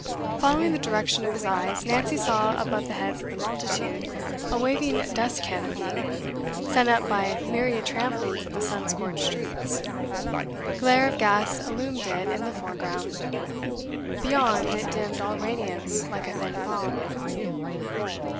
Following the direction of his eyes, Nancy saw above the heads of the multitude a waving dust canopy, sent up by myriad tramplings on the sun scorched streets. Glare of gas illumined it in the foreground; beyond, it dimmed all radiance like a thin fog.